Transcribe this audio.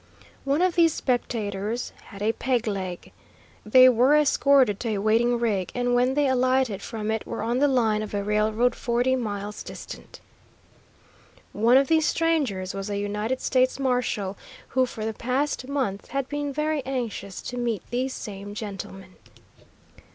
One of these spectators had a peg leg. They were escorted to a waiting rig, and when they alighted from it were on the line of a railroad forty miles distant. One of these strangers was a United States marshal, who for the past month had been very anxious to meet these same gentlemen.